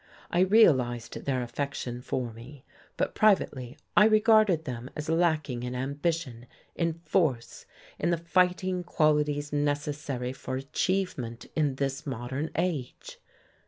I realized their affection for me; but privately I regarded them as lacking in ambition, in force, in the fighting qualities necessary for achievement in this modern age.